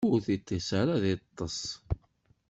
Ur tiṭ-is ara ad iṭṭes.